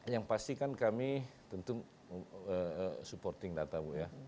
yang pastikan kami tentu supporting data ibu ya